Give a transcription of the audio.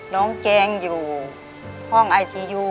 น้องแจงอยู่ห้องอายศิยู